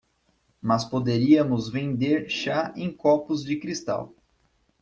Mas poderíamos vender chá em copos de cristal.